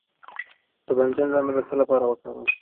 د بانجان دانه د څه لپاره وکاروم؟